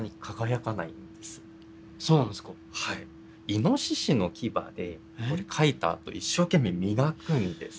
イノシシの牙でこれ書いたあと一生懸命磨くんです。